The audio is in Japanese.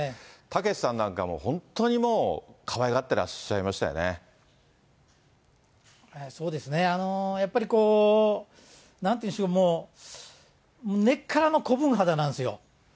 たけしさんなんかも、本当にもう、かわいがってらっしゃいまそうですね、やっぱりなんて言うんでしょう、根っからの子分肌なんですよ。